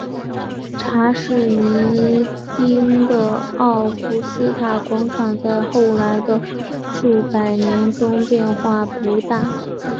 查士丁尼的奥古斯塔广场在后来的数百年中变化不大。